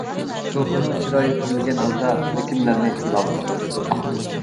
شوپۇرنىڭ چىرايى تۈرۈلگەن ھالدا بىر كىملەرنى تىللاۋاتاتتى.